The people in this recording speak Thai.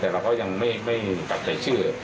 แต่เราก็ยังไม่ปักใจเชื่อ